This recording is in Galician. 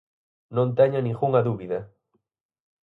Non teña ningunha dúbida.